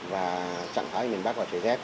và chẳng hãi miền bắc và trời rét